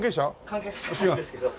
関係者じゃないんですけど。